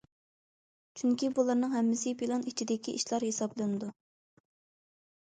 چۈنكى، بۇلارنىڭ ھەممىسى پىلان ئىچىدىكى ئىشلار ھېسابلىنىدۇ.